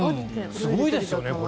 すごいですよね。